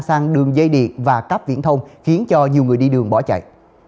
sang đường dây điện và cắp viễn thông khiến cho nhiều người đi đường bỏ chạy